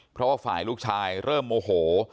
เพราะว่าฝ่ายลูกชายเริ่มโมโห